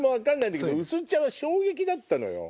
薄茶は衝撃だったのよ。